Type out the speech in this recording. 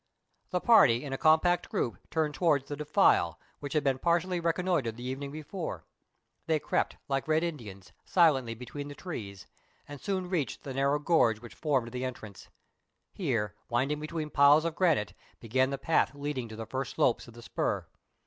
The party, in a compact group, turned towards the defile, which had been partiaily reconnoitred the evening before. THREE ENGLISHMEN AND THREE RUSSIANS. Ill They crept, like Red Indians, silently between the trees, and soon reached the narrow gorge which formed the entrance. Here, winding between piles of granite, began the path leading to the first slopes of the spur.